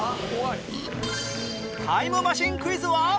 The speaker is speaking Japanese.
タイムマシンクイズは